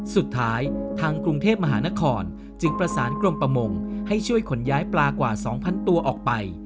สุดท้ายทางกรุงเทพมหานครจึงประสานกรมประมงให้ช่วยขนย้ายปลากว่า๒๐๐ตัวออกไป